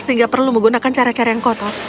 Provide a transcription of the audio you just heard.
sehingga perlu menggunakan cara cara yang kotor